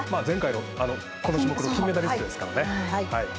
前回のこの種目の金メダリストですから。